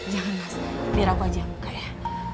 jangan mas biar aku aja yang buka ya